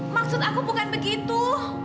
maksud aku bukan begitu